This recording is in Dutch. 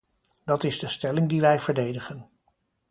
Dat is de stelling die wij verdedigen.